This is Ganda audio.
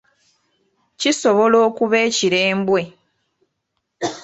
Kisobola okuba ekirembwe.